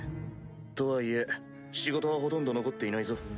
とはいえ仕事はほとんど残っていないぞ。